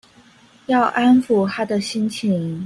要安撫她的心情